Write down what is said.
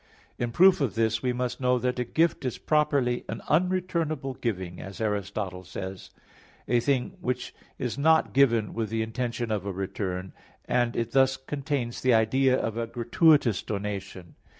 In proof of this we must know that a gift is properly an unreturnable giving, as Aristotle says (Topic. iv, 4) i.e. a thing which is not given with the intention of a return and it thus contains the idea of a gratuitous donation.